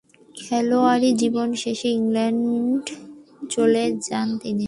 খেলোয়াড়ী জীবন শেষে ইংল্যান্ডে চলে যান তিনি।